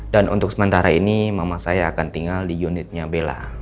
untuk sementara ini mama saya akan tinggal di unitnya bella